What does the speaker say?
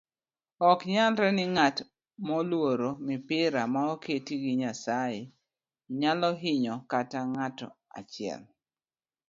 oknyalre ni ng'at maoluoro mipaka maoketi gi nyasaye nyalohinyo kata ng'ato achiel